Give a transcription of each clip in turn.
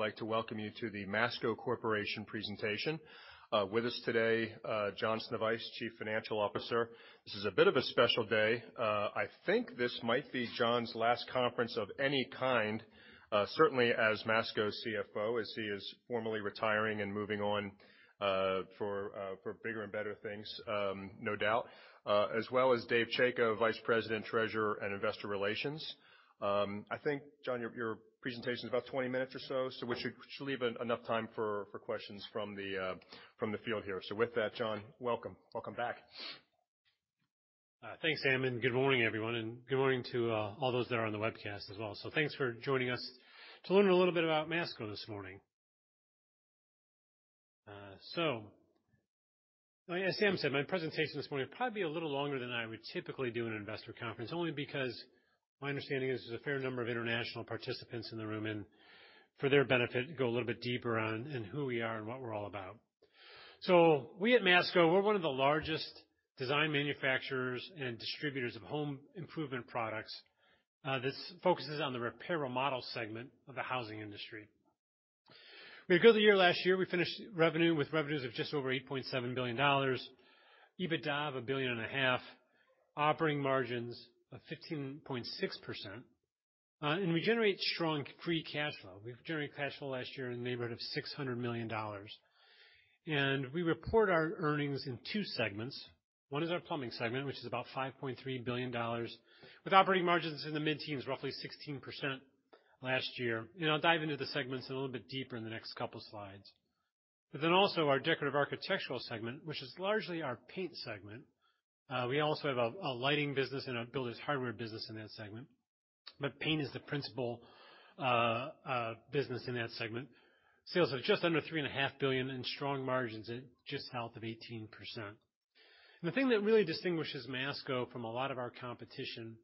I'd like to welcome you to the Masco Corporation presentation. With us today, John Sznewajs, Chief Financial Officer. This is a bit of a special day. I think this might be John's last conference of any kind, certainly as Masco's CFO, as he is formally retiring and moving on for bigger and better things, no doubt. As well as David Chaika, Vice President, Treasurer, and Investor Relations. I think, John, your presentation is about 20 minutes or so, which should leave enough time for questions from the field here. With that, John, welcome. Welcome back. Thanks, Sam, and good morning, everyone. Good morning to all those that are on the webcast as well. Thanks for joining us to learn a little bit about Masco this morning. As Sam said, my presentation this morning will probably be a little longer than I would typically do in an investor conference, only because my understanding is there's a fair number of international participants in the room, and for their benefit, go a little bit deeper on in who we are and what we're all about. We at Masco, we're one of the largest design manufacturers and distributors of home improvement products that focuses on the repair/remodel segment of the housing industry. We had a good year last year. We finished revenue with revenues of just over $8.7 billion. EBITDA of $1.5 billion. Operating margins of 15.6%. We generate strong free cash flow. We've generated cash flow last year in the neighborhood of $600 million. We report our earnings in two segments. One is our Plumbing Segment, which is about $5.3 billion, with operating margins in the mid-teens, roughly 16% last year. I'll dive into the segments a little bit deeper in the next couple slides. Also our Decorative Architectural Segment, which is largely our Paint Segment. We also have a lighting business and a builders hardware business in that segment. Paint is the principal business in that segment. Sales of just under $3.5 billion and strong margins at just south of 18%. The thing that really distinguishes Masco from a lot of our competition,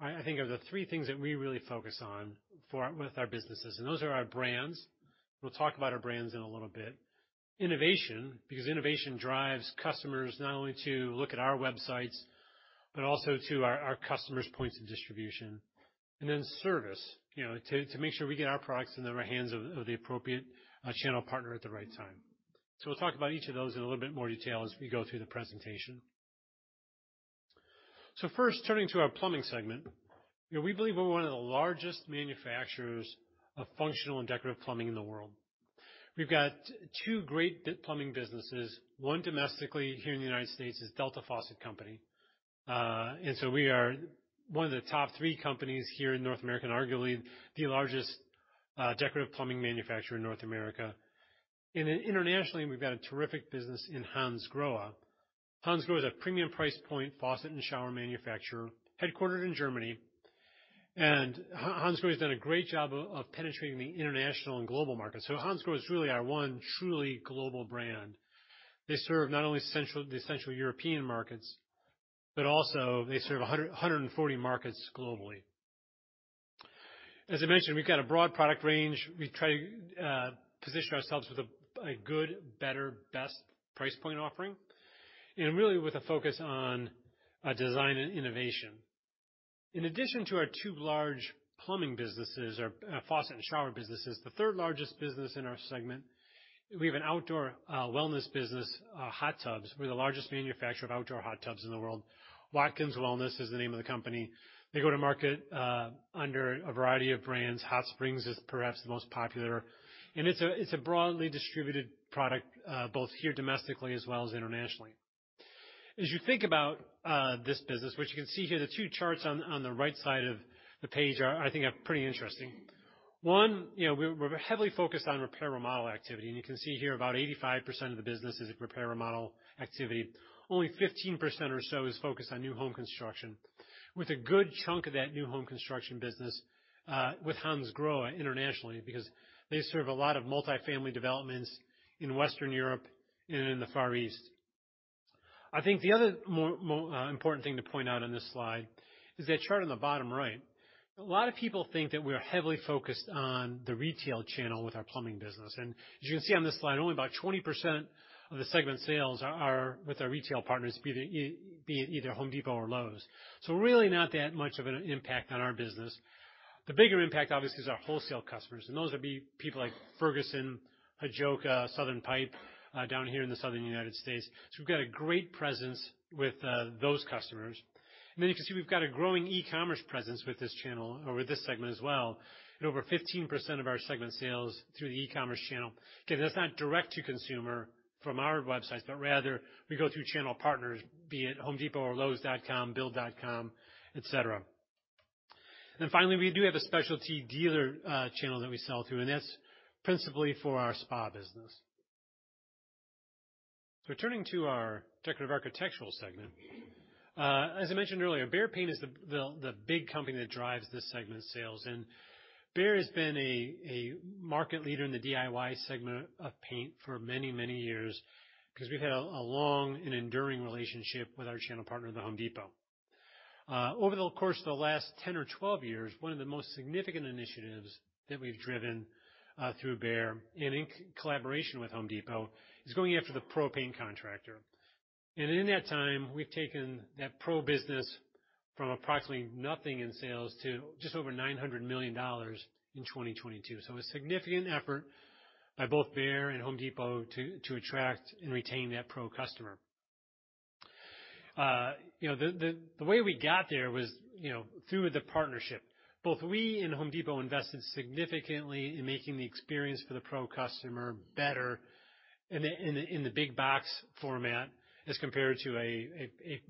I think, are the three things that we really focus on with our businesses, and those are our brands. We'll talk about our brands in a little bit. Innovation, because innovation drives customers not only to look at our websites, but also to our customers' points of distribution. Service, you know, to make sure we get our products into the hands of the appropriate channel partner at the right time. We'll talk about each of those in a little bit more detail as we go through the presentation. First, turning to our Plumbing Segment. You know, we believe we're one of the largest manufacturers of functional and decorative plumbing in the world. We've got two great plumbing businesses. One domestically here in the United States is Delta Faucet Company. We are one of the top three companies here in North America, and arguably the largest decorative plumbing manufacturer in North America. Internationally, we've got a terrific business in Hansgrohe. Hansgrohe is a premium price point faucet and shower manufacturer, headquartered in Germany. Hansgrohe's done a great job of penetrating the international and global market. Hansgrohe is really our one truly global brand. They serve not only the central European markets, but also they serve 140 markets globally. As I mentioned, we've got a broad product range. We try to position ourselves with a good, better, best price point offering, and really with a focus on design and innovation. In addition to our two large plumbing businesses or, faucet and shower businesses, the third largest business in our segment, we have an outdoor wellness business, hot tubs. We're the largest manufacturer of outdoor hot tubs in the world. Watkins Wellness is the name of the company. They go to market under a variety of brands. Hot Springs is perhaps the most popular. It's a broadly distributed product both here domestically as well as internationally. As you think about this business, which you can see here, the two charts on the right side of the page are, I think are pretty interesting. One, you know, we're heavily focused on repair/remodel activity. You can see here about 85% of the business is repair/remodel activity. Only 15% or so is focused on new home construction, with a good chunk of that new home construction business with Hansgrohe internationally because they serve a lot of multifamily developments in Western Europe and in the Far East. I think the other important thing to point out on this slide is that chart on the bottom right. A lot of people think that we're heavily focused on the retail channel with our plumbing business. As you can see on this slide, only about 20% of the segment sales are with our retail partners, be it either Home Depot or Lowe's. Really not that much of an impact on our business. The bigger impact, obviously, is our wholesale customers, and those would be people like Ferguson, Hajoca, Southern Pipe down here in the Southern United States. We've got a great presence with those customers. You can see we've got a growing e-commerce presence with this channel or with this segment as well. Over 15% of our segment sales through the e-commerce channel. Okay, that's not direct to consumer from our websites, but rather we go through channel partners, be it The Home Depot or Lowe's.com, Build.com, et cetera. Finally, we do have a specialty dealer channel that we sell through, and that's principally for our spa business. Turning to our Decorative Architectural Segment. As I mentioned earlier, Behr Paint is the big company that drives this segment's sales. Behr has been a market leader in the DIY segment of paint for many, many years because we've had a long and enduring relationship with our channel partner, The Home Depot. Over the course of the last 10 or 12 years, one of the most significant initiatives that we've driven through Behr in collaboration with The Home Depot is going after the pro paint contractor. In that time, we've taken that pro business from approximately nothing in sales to just over $900 million in 2022. A significant effort by both Behr and The Home Depot to attract and retain that pro customer. You know, the way we got there was, you know, through the partnership. Both we and The Home Depot invested significantly in making the experience for the pro customer better in the big box format as compared to a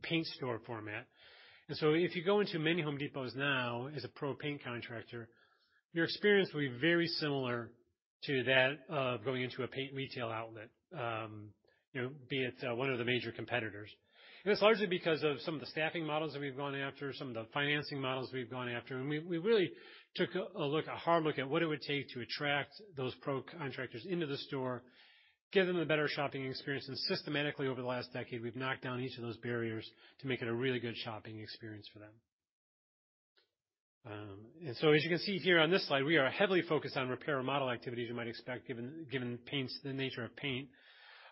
paint store format. If you go into many Home Depots now as a pro paint contractor, your experience will be very similar to that of going into a paint retail outlet, you know, be it one of the major competitors. It's largely because of some of the staffing models that we've gone after, some of the financing models we've gone after. We really took a look, a hard look at what it would take to attract those pro contractors into the store, give them a better shopping experience. Systematically over the last decade, we've knocked down each of those barriers to make it a really good shopping experience for them. As you can see here on this slide, we are heavily focused on repair and remodel activities you might expect given paints, the nature of paint.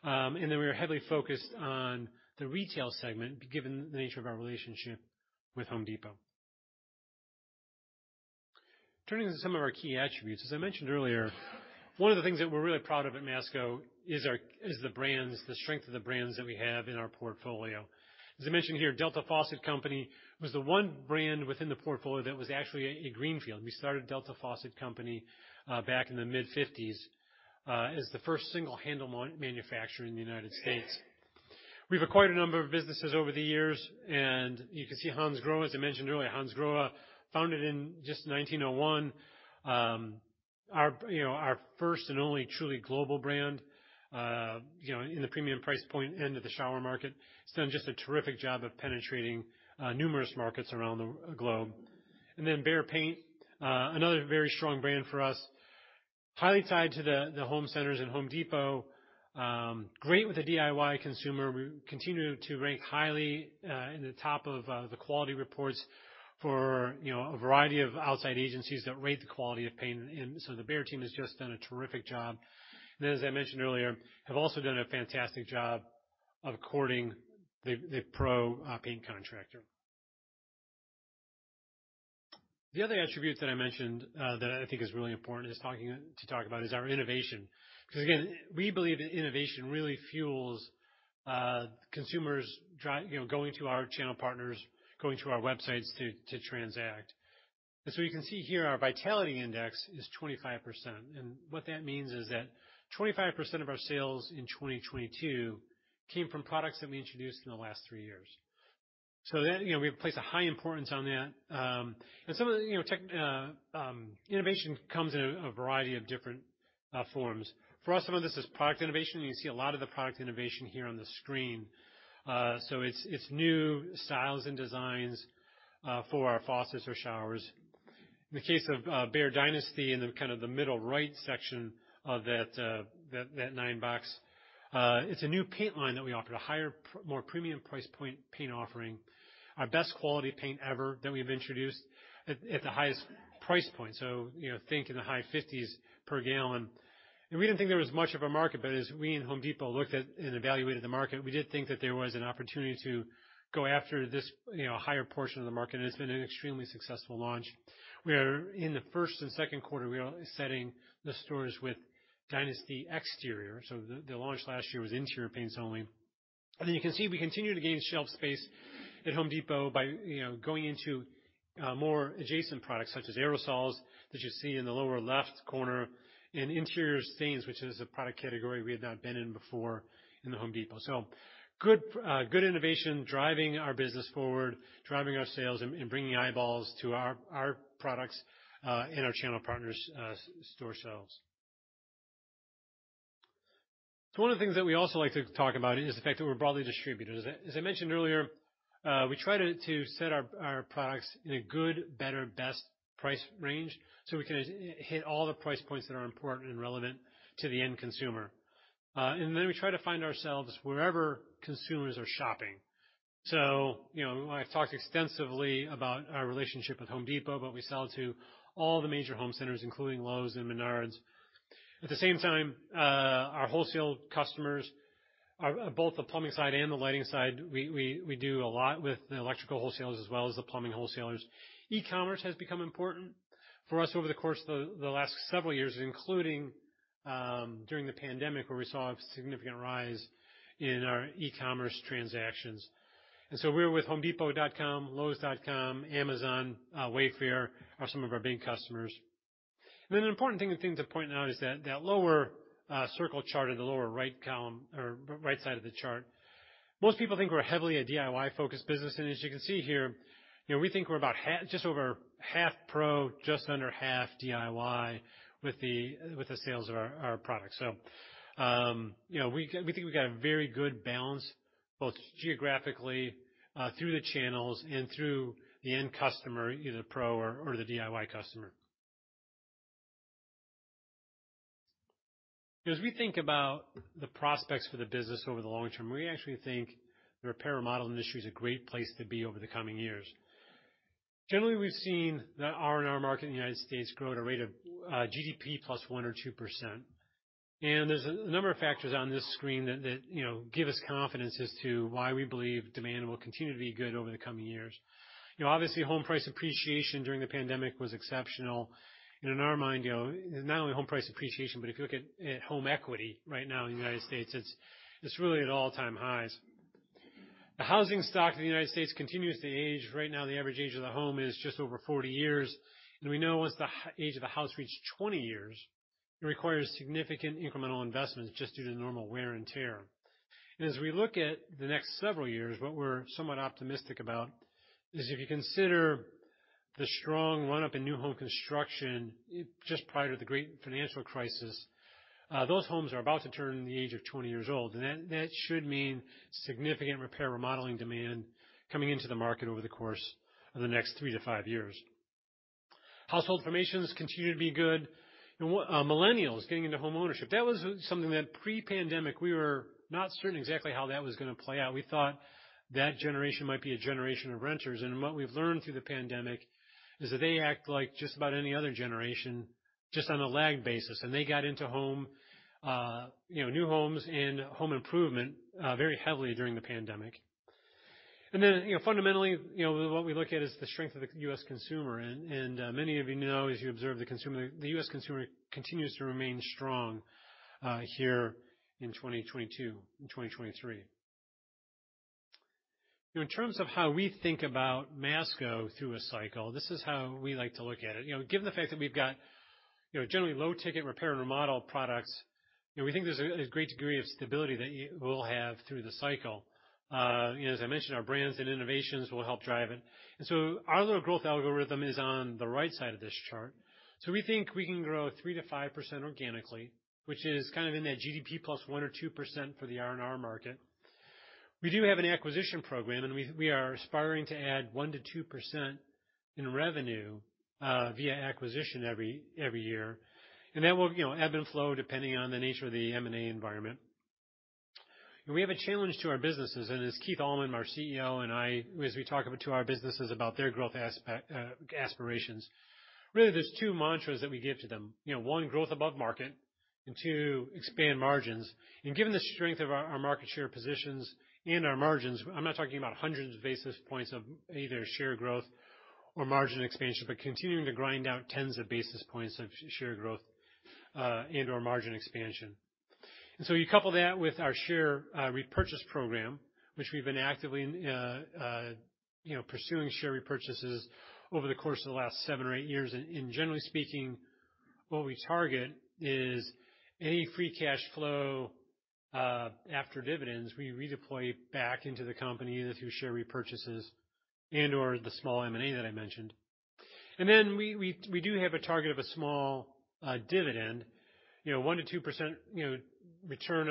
We are heavily focused on the retail segment given the nature of our relationship with The Home Depot. Turning to some of our key attributes, as I mentioned earlier, one of the things that we're really proud of at Masco is the brands, the strength of the brands that we have in our portfolio. As I mentioned here, Delta Faucet Company was the one brand within the portfolio that was actually a greenfield. We started Delta Faucet Company back in the mid-1950s as the first single handle manufacturer in the United States. We've acquired a number of businesses over the years, and you can see Hansgrohe. As I mentioned earlier, Hansgrohe, founded in just 1901, our first and only truly global brand, you know, in the premium price point end of the shower market. It's done just a terrific job of penetrating numerous markets around the globe. Behr Paint, another very strong brand for us, highly tied to the home centers in Home Depot. Great with the DIY consumer. We continue to rank highly in the top of the quality reports for, you know, a variety of outside agencies that rate the quality of paint. The Behr team has just done a terrific job. As I mentioned earlier, have also done a fantastic job of courting the pro paint contractor. The other attribute that I mentioned that I think is really important to talk about is our innovation, 'cause again, we believe that innovation really fuels consumers, you know, going to our channel partners, going to our websites to transact. You can see here our Vitality Index is 25%. What that means is that 25% of our sales in 2022 came from products that we introduced in the last three years. That, you know, we place a high importance on that. Some of the, you know, tech innovation comes in a variety of different forms. For us, some of this is product innovation. You can see a lot of the product innovation here on the screen. It's new styles and designs for our faucets or showers. In the case of BEHR DYNASTY in the kind of the middle right section of that nine box, it's a new paint line that we offer at a higher more premium price point paint offering. Our best quality paint ever that we've introduced at the highest price point. You know, think in the high $50s per gallon. We didn't think there was much of a market, but as we and The Home Depot looked at and evaluated the market, we did think that there was an opportunity to go after this, you know, higher portion of the market, and it's been an extremely successful launch. We are in the first and second quarter, we are setting the stores with Dynasty exterior. The launch last year was interior paints only. You can see we continue to gain shelf space at The Home Depot by, you know, going into more adjacent products such as aerosols that you see in the lower left corner, and interior stains, which is a product category we had not been in before in The Home Depot. Good innovation driving our business forward, driving our sales and bringing eyeballs to our products and our channel partners' store sales. One of the things that we also like to talk about is the fact that we're broadly distributed. As I mentioned earlier, we try to set our products in a good, better, best price range, so we can hit all the price points that are important and relevant to the end consumer. Then we try to find ourselves wherever consumers are shopping. You know, I've talked extensively about our relationship with The Home Depot, but we sell to all the major home centers, including Lowe's and Menards. At the same time, our wholesale customers are both the plumbing side and the lighting side. We do a lot with the electrical wholesalers as well as the plumbing wholesalers. E-commerce has become important for us over the course of the last several years, including during the pandemic, where we saw a significant rise in our e-commerce transactions. We're with The Home Depot.com, Lowe's.com, Amazon, Wayfair, are some of our big customers. Then an important thing to point out is that that lower circle chart in the lower right column or right side of the chart, most people think we're heavily a DIY-focused business. As you can see here, you know, we think we're about just over half pro, just under half DIY with the sales of our products. You know, we think we've got a very good balance, both geographically, through the channels and through the end customer, either pro or the DIY customer. As we think about the prospects for the business over the long term, we actually think the repair and remodel industry is a great place to be over the coming years. Generally, we've seen the R&R market in the United States grow at a rate of GDP plus 1% or 2%. There's a number of factors on this screen that, you know, give us confidence as to why we believe demand will continue to be good over the coming years. You know, obviously, home price appreciation during the pandemic was exceptional. In our mind, you know, not only home price appreciation, but if you look at home equity right now in the United States, it's really at all-time highs. The housing stock in the United States continues to age. Right now, the average age of the home is just over 40 years, and we know once the age of the house reaches 20 years, it requires significant incremental investments just due to normal wear and tear. As we look at the next several years, what we're somewhat optimistic about is if you consider the strong run-up in new home construction just prior to the great financial crisis, those homes are about to turn the age of 20 years old, and that should mean significant repair remodeling demand coming into the market over the course of the next three to five years. Household formations continue to be good. Millennials getting into homeownership. That was something that pre-pandemic, we were not certain exactly how that was gonna play out. We thought that generation might be a generation of renters, what we've learned through the pandemic is that they act like just about any other generation, just on a lag basis. They got into home, you know, new homes and home improvement very heavily during the pandemic. You know, fundamentally, you know, what we look at is the strength of the U.S. consumer. Many of you know, as you observe the consumer, the U.S. consumer continues to remain strong here in 2022 and 2023. You know, in terms of how we think about Masco through a cycle, this is how we like to look at it. You know, given the fact that we've got, you know, generally low-ticket repair and remodel products, you know, we think there's a great degree of stability that we'll have through the cycle. You know, as I mentioned, our brands and innovations will help drive it. Our little growth algorithm is on the right side of this chart. We think we can grow 3%-5% organically, which is kind of in that GDP plus 1% or 2% for the R&R market. We do have an acquisition program, and we are aspiring to add 1%-2% in revenue via acquisition every year. That will, you know, ebb and flow depending on the nature of the M&A environment. We have a challenge to our businesses, and as Keith Allman, our CEO, and I, as we talk to our businesses about their growth aspirations, really, there's two mantras that we give to them. You know, one, growth above market, and two, expand margins. Given the strength of our market share positions and our margins, I'm not talking about hundreds of basis points of either share growth or margin expansion, but continuing to grind out tens of basis points of shared growth and/or margin expansion. You couple that with our share repurchase program, which we've been actively, you know, pursuing share repurchases over the course of the last seven or eight years. Generally speaking, what we target is any free cash flow, after dividends, we redeploy back into the company either through share repurchases and/or the small M&A that I mentioned. Then we do have a target of a small dividend, you know, 1%-2% you know, return,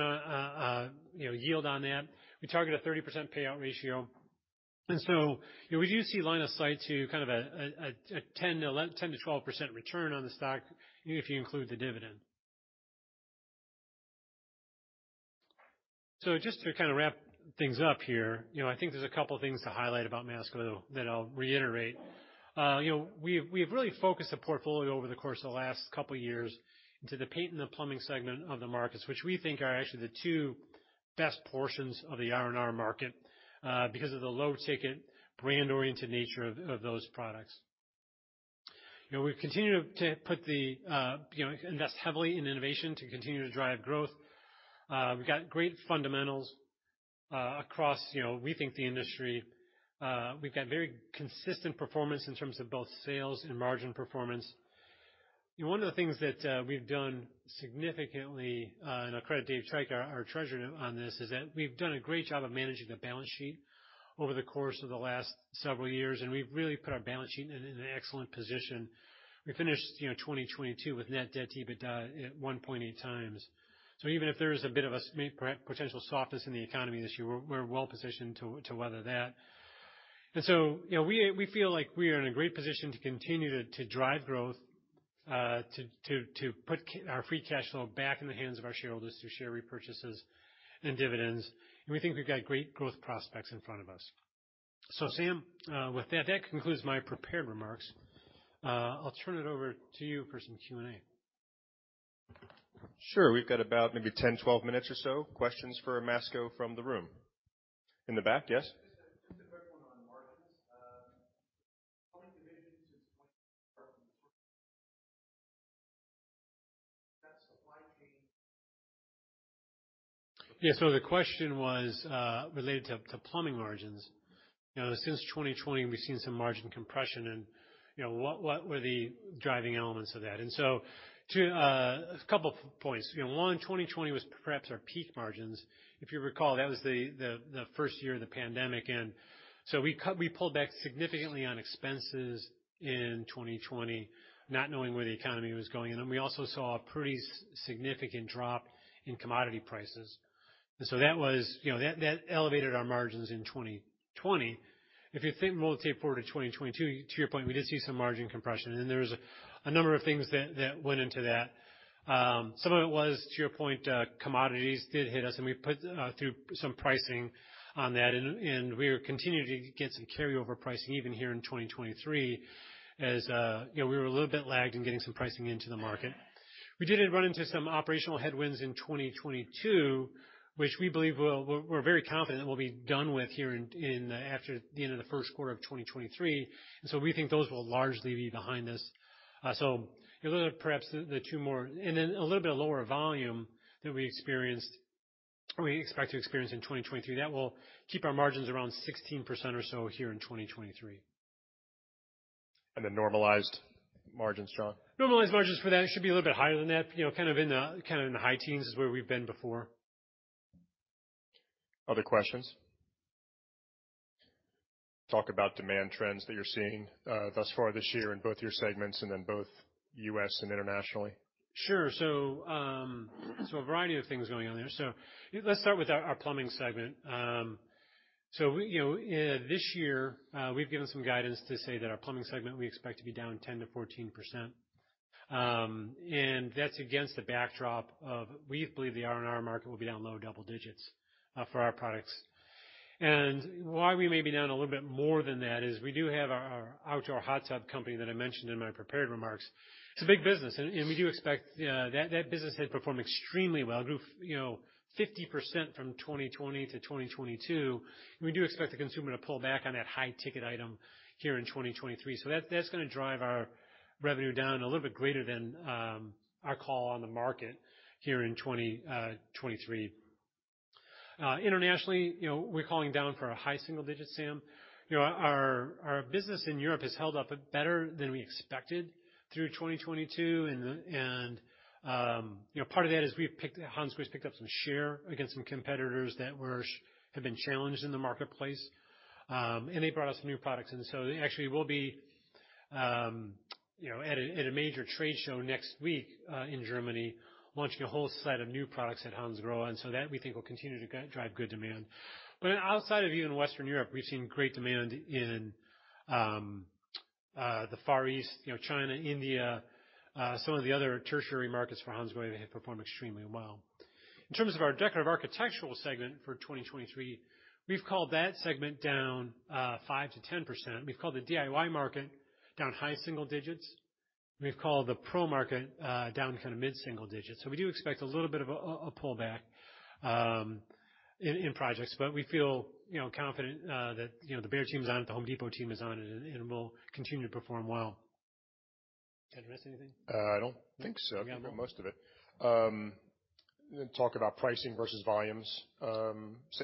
you know, yield on that. We target a 30% payout ratio. you know, we do see line of sight to kind of a 10%-12% return on the stock if you include the dividend. Just to kind of wrap things up here, you know, I think there's a couple of things to highlight about Masco that I'll reiterate. You know, we've really focused the portfolio over the course of the last couple of years into the paint and the plumbing segment of the markets, which we think are actually the two best portions of the R&R market, because of the low ticket, brand-oriented nature of those products. You know, we've continued to put the, you know, invest heavily in innovation to continue to drive growth. We've got great fundamentals across, you know, we think the industry. We've got very consistent performance in terms of both sales and margin performance. One of the things that we've done significantly, and I'll credit David Chaika, our Treasurer, on this, is that we've done a great job of managing the balance sheet over the course of the last several years, and we've really put our balance sheet in an excellent position. We finished, you know, 2022 with Net Debt to EBITDA at one point eight times. Even if there is a bit of a potential softness in the economy this year, we're well positioned to weather that. You know, we feel like we are in a great position to continue to drive growth, to put our free cash flow back in the hands of our shareholders through share repurchases and dividends. We think we've got great growth prospects in front of us. Sam, with that concludes my prepared remarks. I'll turn it over to you for some Q&A. Sure. We've got about maybe 10, 12 minutes or so. Questions for Masco from the room. In the back, yes. Just a quick one on margins. How many divisions is that supply chain? Yeah. The question was related to plumbing margins. You know, since 2020, we've seen some margin compression and, you know, what were the driving elements of that? To a couple points. You know, one, in 2020 was perhaps our peak margins. If you recall, that was the first year of the pandemic. We pulled back significantly on expenses in 2020, not knowing where the economy was going. We also saw a pretty significant drop in commodity prices. That was, you know, that elevated our margins in 2020. If you roll the tape forward to 2022, to your point, we did see some margin compression. There was a number of things that went into that. Some of it was, to your point, commodities did hit us, and we put through some pricing on that, and we are continuing to get some carryover pricing even here in 2023 as, you know, we were a little bit lagged in getting some pricing into the market. We did run into some operational headwinds in 2022, which we believe we're very confident will be done with here in after the end of the first quarter of 2023. We think those will largely be behind us. Those are perhaps the two more. A little bit lower volume that we experienced. We expect to experience in 2023. That will keep our margins around 16% or so here in 2023. The normalized margin, John? Normalized margins for that should be a little bit higher than that, you know, kind of in the high teens is where we've been before. Other questions? Talk about demand trends that you're seeing, thus far this year in both your segments and in both U.S. and internationally. Sure. A variety of things going on there. Let's start with our Plumbing Segment. You know, this year, we've given some guidance to say that our plumbing segment, we expect to be down 10%-14%. And that's against the backdrop of we believe the R&R market will be down low double digits for our products. And why we may be down a little bit more than that is we do have our outdoor hot tub company that I mentioned in my prepared remarks. It's a big business, and we do expect that business had performed extremely well, grew, you know, 50% from 2020 to 2022. We do expect the consumer to pull back on that high ticket item here in 2023. That's gonna drive our revenue down a little bit greater than our call on the market here in 2023. Internationally, you know, we're calling down for a high single digits, Sam. You know, our business in Europe has held up better than we expected through 2022. You know, part of that is Hansgrohe's picked up some share against some competitors that have been challenged in the marketplace, and they brought us some new products. Actually we'll be, you know, at a major trade show next week in Germany, launching a whole set of new products at Hansgrohe, that we think will continue to drive good demand. Outside of even Western Europe, we've seen great demand in the Far East, you know, China, India, some of the other tertiary markets for Hansgrohe, they have performed extremely well. In terms of our decorative architectural segment for 2023, we've called that segment down 5%-10%. We've called the DIY market down high single digits. We've called the pro market down kind of mid-single digits. We do expect a little bit of a pullback in projects. We feel, you know, confident that, you know, the Behr team is on it, the Home Depot team is on it, and will continue to perform well. Did I miss anything? I don't think so. You got most of it. Talk about pricing versus volumes.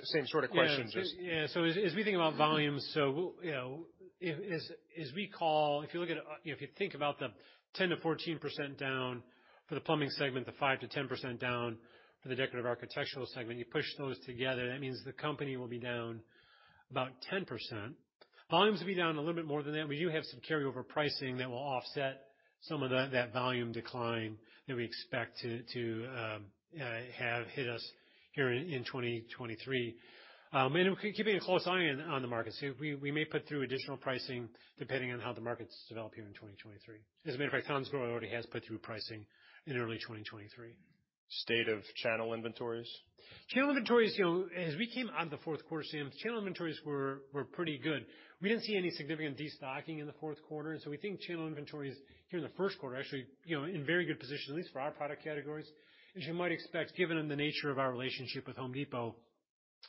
Same sort of question. As we think about volumes, you know, as we call, if you look at, if you think about the 10%-14% down for the plumbing segment, the 5%-10% down for the decorative architectural segment, you push those together, that means the company will be down about 10%. Volumes will be down a little bit more than that, but you have some carryover pricing that will offset some of that volume decline that we expect to have hit us here in 2023. We're keeping a close eye on the markets. We may put through additional pricing depending on how the markets develop here in 2023. As a matter of fact, Hansgrohe already has put through pricing in early 2023. State of channel inventories? Channel inventories, you know, as we came out of the fourth quarter, Sam, channel inventories were pretty good. We didn't see any significant destocking in the fourth quarter. We think channel inventories here in the first quarter, actually, you know, in very good position, at least for our product categories. As you might expect, given the nature of our relationship with Home Depot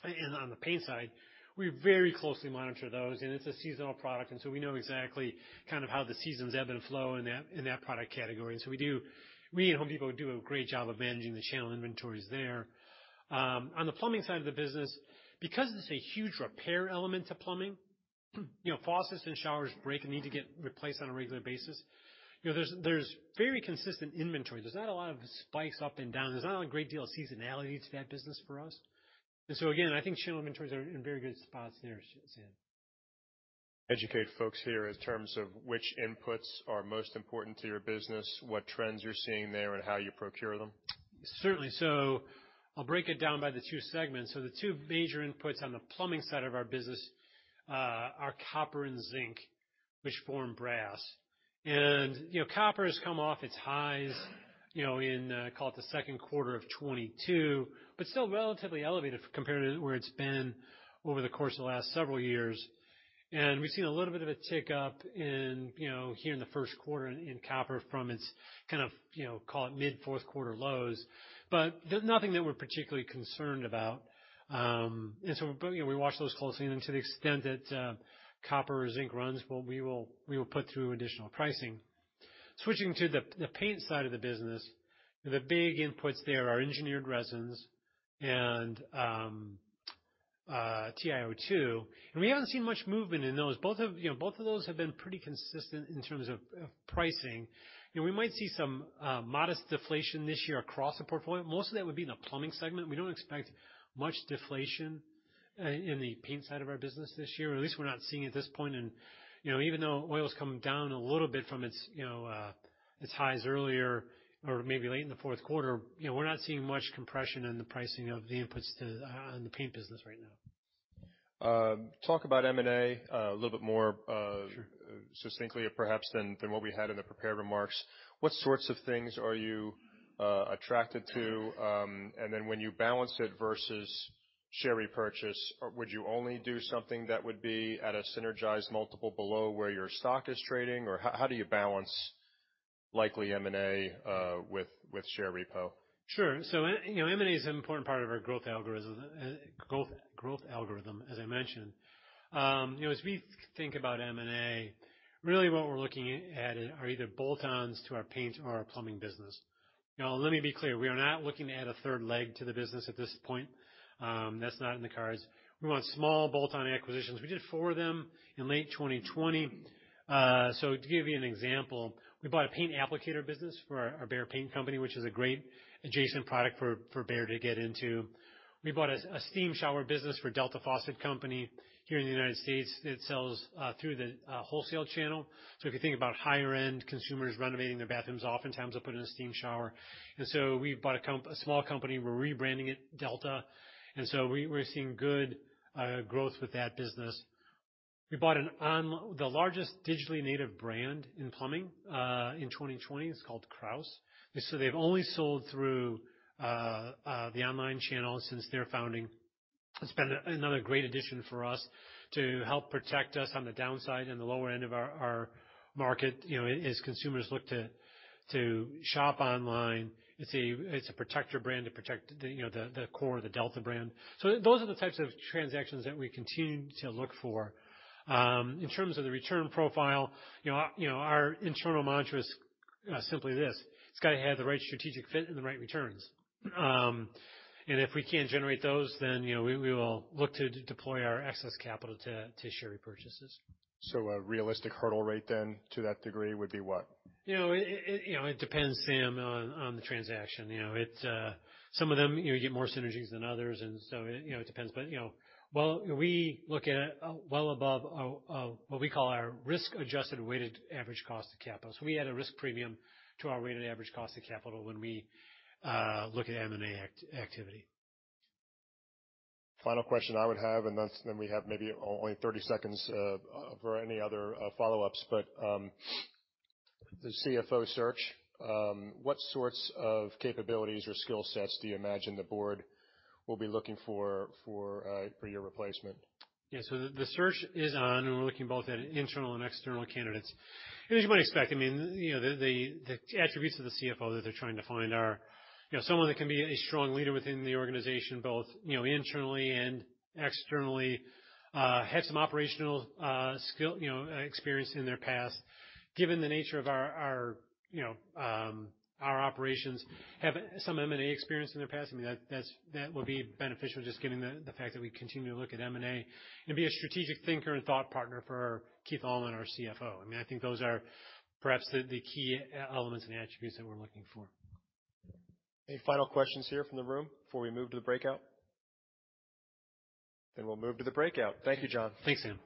and on the paint side, we very closely monitor those, and it's a seasonal product. We know exactly kind of how the seasons ebb and flow in that, in that product category. We at Home Depot do a great job of managing the channel inventories there. On the plumbing side of the business, because it's a huge repair element to plumbing, you know, faucets and showers break and need to get replaced on a regular basis, you know, there's very consistent inventory. There's not a lot of spikes up and down. There's not a great deal of seasonality to that business for us. Again, I think channel inventories are in very good spots there, Sam. Educate folks here in terms of which inputs are most important to your business, what trends you're seeing there, and how you procure them. Certainly. I'll break it down by the two segments. The two major inputs on the plumbing side of our business are copper and zinc, which form brass. You know, copper has come off its highs, you know, in call it the second quarter of 2022, but still relatively elevated compared to where it's been over the course of the last several years. We've seen a little bit of a tick up in, you know, here in the first quarter in copper from its kind of, you know, call it mid fourth quarter lows. There's nothing that we're particularly concerned about. You know, we watch those closely, and to the extent that copper or zinc runs, we will put through additional pricing. Switching to the paint side of the business, the big inputs there are engineered resins and TiO2, and we haven't seen much movement in those. Both of, you know, both of those have been pretty consistent in terms of pricing. You know, we might see some modest deflation this year across the portfolio. Most of that would be in the plumbing segment. We don't expect much deflation in the paint side of our business this year, or at least we're not seeing at this point. You know, even though oil's come down a little bit from its, you know, its highs earlier or maybe late in the fourth quarter, you know, we're not seeing much compression in the pricing of the inputs to the paint business right now. Talk about M&A, a little bit more. Sure. succinctly perhaps than what we had in the prepared remarks. What sorts of things are you attracted to? When you balance it versus share repurchase, or would you only do something that would be at a synergized multiple below where your stock is trading? How do you balance likely M&A with share repo? Sure. You know, M&A is an important part of our growth algorithm, as I mentioned. You know, as we think about M&A, really what we're looking at are either bolt-ons to our paint or our plumbing business. Let me be clear, we are not looking to add a third leg to the business at this point. That's not in the cards. We want small bolt-on acquisitions. We did four of them in late 2020. To give you an example, we bought a paint applicator business for our Behr Paint Company, which is a great adjacent product for Behr to get into. We bought a steam shower business for Delta Faucet Company here in the United States that sells through the wholesale channel. If you think about higher-end consumers renovating their bathrooms, oftentimes they'll put in a steam shower. We bought a small company, we're rebranding it Delta. We're seeing good growth with that business. We bought the largest digitally native brand in plumbing in 2020. It's called Kraus. They've only sold through the online channel since their founding. It's been another great addition for us to help protect us on the downside in the lower end of our market, you know, as consumers look to shop online. It's a protector brand to protect, you know, the core of the Delta brand. Those are the types of transactions that we continue to look for. In terms of the return profile, you know, our internal mantra is simply this: It's gotta have the right strategic fit and the right returns. If we can't generate those, then, you know, we will look to deploy our excess capital to share repurchases. A realistic hurdle rate then to that degree would be what? You know, it depends, Sam, on the transaction. You know, some of them, you know, you get more synergies than others, it depends. You know, well, we look at it well above our what we call our risk-adjusted Weighted Average Cost of Capital. We add a risk premium to our Weighted Average Cost of Capital when we look at M&A activity. Final question I would have, and that's then we have maybe only 30 seconds for any other follow-ups. The CFO search, what sorts of capabilities or skill sets do you imagine the board will be looking for for your replacement? Yeah. The search is on, and we're looking both at internal and external candidates. As you might expect, I mean, you know, the attributes of the CFO that they're trying to find are, you know, someone that can be a strong leader within the organization, both, you know, internally and externally. Have some operational skill, you know, experience in their past. Given the nature of our, you know, our operations, have some M&A experience in their past. I mean, that would be beneficial just given the fact that we continue to look at M&A. Be a strategic thinker and thought partner for Keith Allman, our CFO. I mean, I think those are perhaps the key elements and attributes that we're looking for. Any final questions here from the room before we move to the breakout? We'll move to the breakout. Thank you, John. Thanks, Sam.